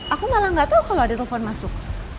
aku malah gak tau kalau ada telepon masuk